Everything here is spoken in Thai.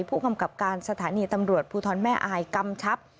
ผู้กำกับการสถานีตำรวจภูทรแม่อายกำชับ